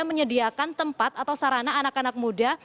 menyediakan tempat atau sarana anak anak muda